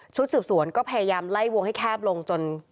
สืบสวนก็พยายามไล่วงให้แคบลงจน